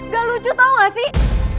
gak lucu tau gak sih